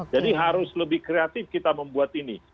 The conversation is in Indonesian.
jadi harus lebih kreatif kita membuat ini